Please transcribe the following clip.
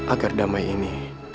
agar damai ini